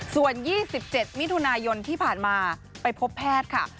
ส่วน๒๗มิถุนายนที่ผ่านมาไปพบแพทย์ค่ะ